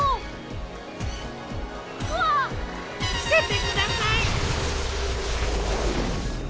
ふせてください。